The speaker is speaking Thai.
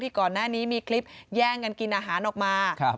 ก่อนหน้านี้มีคลิปแย่งกันกินอาหารออกมา